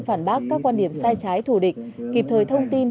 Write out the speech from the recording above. phản bác các quan điểm sai trái thù địch kịp thời thông tin